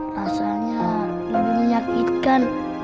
rasanya lebih menyakitkan